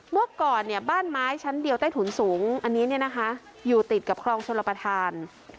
เมื่อก่อนบ้านไม้ชั้นเดียวใต้ถุนสูงอันนี้อยู่ติดกับคลองชลประธาน